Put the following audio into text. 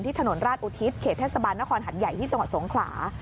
ถนนราชอุทิศเขตเทศบาลนครหัดใหญ่ที่จังหวัดสงขลา